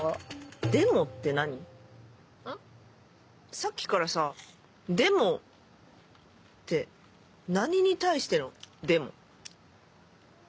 さっきからさ「でも」って何に対しての「でも」？